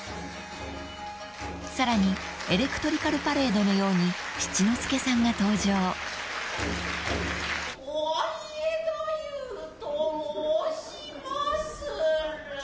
［さらにエレクトリカルパレードのように七之助さんが登場］とはいえ太夫と申しまする。